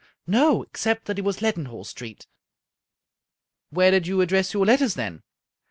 No — except that it was Leadenhall Street." " Where did you address your letters, then